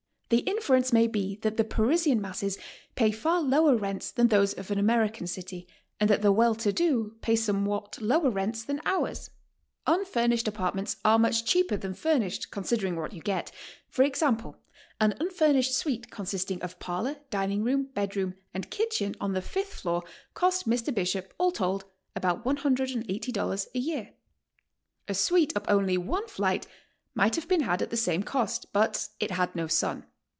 The inference may be that the Parisian masses pay far lower rents than those of an Ameri can city, and that the well to do pay somewhat lower rents than ours. Unfurnished apartments are much cheaper than furnished, considering what you get. For example, an unfur nished suite consisting of parlor, dining room, bed room and kitchen on the fifth floor cost Mr. Bishop, all told, about $180 a year. A suite up only one flight might have been had at the same cost, but it had no sun.